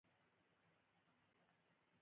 ایا پوهیږئ چې هیله غوره درمل ده؟